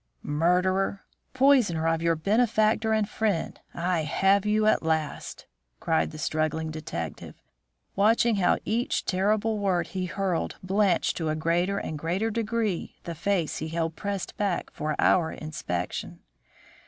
"Murderer! Poisoner of your benefactor and friend, I have you at last!" cried the struggling detective, watching how each terrible word he hurled blanched to a greater and greater degree the face he held pressed back for our inspection.